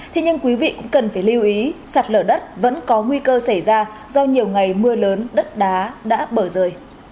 thế nhưng quý vị cũng cần phải lưu ý sạt lở đất vẫn có nguy cơ xảy ra do nhiều ngày mưa lớn đất đá đã bở rời